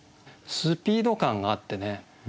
スピード感があってね